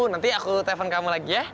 nanti aku telepon kamu lagi ya